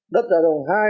đó là cái đường cốt lõi